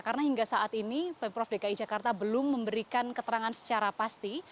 karena hingga saat ini pemprov dki jakarta belum memberikan keterangan secara pasti